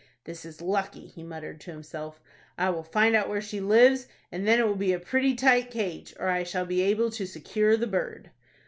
"This is lucky!" he muttered to himself. "I will find out where she lives, and then it will be a pretty tight cage, or I shall be able to secure the bird."